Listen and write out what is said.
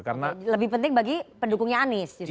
karena lebih penting bagi pendukungnya anies